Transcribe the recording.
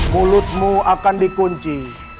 mulutmu akan dikunci